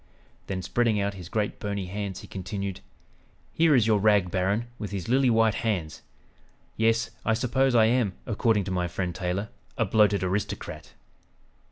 '" Then spreading out his great bony hands he continued, "Here is your 'rag baron' with his lily white hands. Yes, I suppose I am, according to my friend Taylor, a 'bloated aristocrat!'"